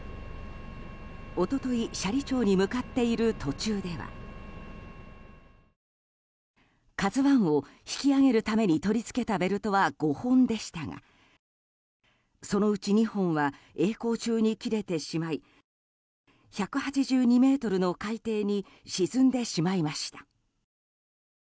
一昨日、斜里町に向かっている途中では「ＫＡＺＵ１」を引き揚げるために取り付けたベルトは５本でしたがそのうち２本は曳航中に切れてしまい１８２ｍの海底に沈んでしまいました。